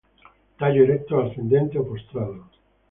Tallo erecto o ascendente o postrado.